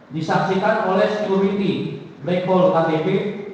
disaksikan oleh security playhall ktp